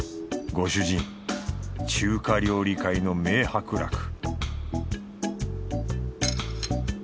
ご主人中華料理界の名伯楽